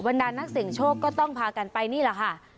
ดานักเสียงโชคก็ต้องพากันไปนี่แหละค่ะ